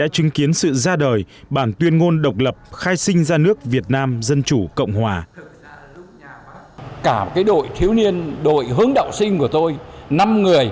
chứng kiến sự ra đời bản tuyên ngôn độc lập khai sinh ra nước việt nam dân chủ cộng hòa